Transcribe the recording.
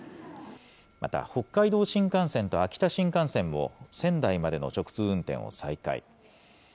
また、北海道新幹線と秋田新幹線も仙台までの直通運転を再開。